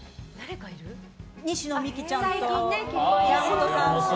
西野未姫ちゃんと山本さん。